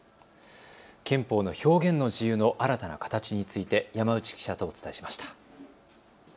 憲法の表現の自由の新たなかたちについて山内記者とお伝えしました。